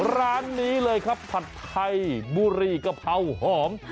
ร้านนี้เลยครับผัดไทยบุรีกะเพราหอม